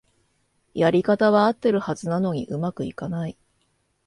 やり方はあってるはずなのに上手くいかない